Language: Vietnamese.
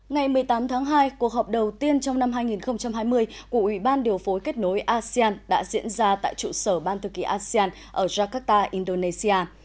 ngày một mươi tám tháng hai cuộc họp đầu tiên trong năm hai nghìn hai mươi của ủy ban điều phối kết nối asean đã diễn ra tại trụ sở ban thư ký asean ở jakarta indonesia